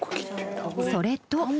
それと。